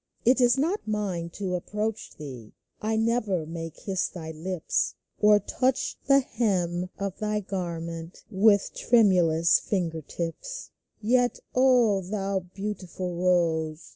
It is not mine to approach thee ; 1 never may kiss thy lips. Or touch the hem of thy garment With tremulous finger tips. THE CLAY TO THE ROSE 1/9 Yet, O thou beautiful Rose